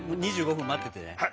２５分待っててね。